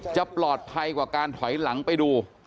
จะปลอดภัยกว่าการถอยหลังไปดู